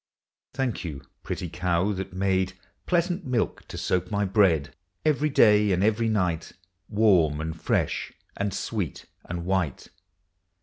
Thank you, pretty cow, that made Pleasant milk to soak my bread. Every day and every night. Warm, and fresh, and sweet, and white.